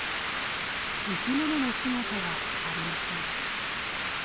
生き物の姿はありません。